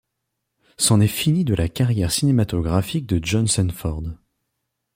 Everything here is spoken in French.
C'en est fini de la carrière cinématographique de John Sanford.